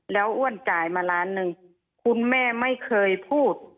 แล้วอ้วนจ่ายมาล้านหนึ่งคุณแม่ไม่เคยพูด